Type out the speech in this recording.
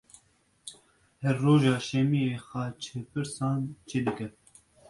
Her roja şemiyê xaçepirsan çêdike.